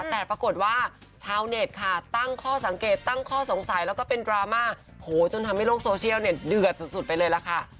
แต่ปรากฏว่าชาวเน็ตค่ะตั้งข้อสังเกตตั้งข้อสงสัยแล้วก็เป็นดราม่าโหจนทำให้โลกโซเชียลเนี่ยเดือดสุดไปเลยล่ะค่ะ